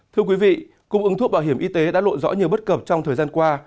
thưa quý vị cục ứng thuốc bảo hiểm y tế đã lộ rõ nhiều bất cập trong thời gian qua